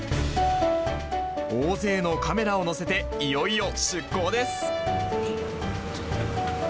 大勢のカメラを載せていよいよ出航です。